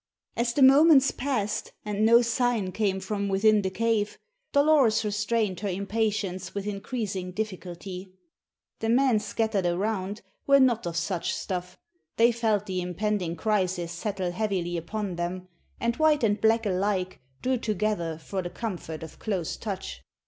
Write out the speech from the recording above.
As the moments passed, and no sign came from within the cave, Dolores restrained her impatience with increasing difficulty. The men scattered around were not of such stuff; they felt the impending crisis settle heavily upon them, and white and black alike drew together for the comfort of close touch.